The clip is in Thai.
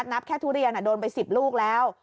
นับแค่ทุเรียนโดนไป๑๐ลูกแล้ว